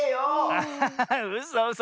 アハハハうそうそ。